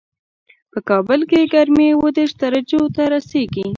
په کابل کې ګرمي اووه دېش درجو ته رسېږي